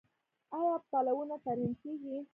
آیا پلونه ترمیم کیږي؟